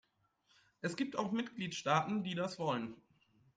Es gibt auch Mitgliedstaaten, die das wollen.